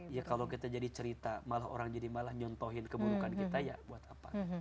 ya kalau kita jadi cerita malah orang jadi malah nyontohin keburukan kita ya buat apa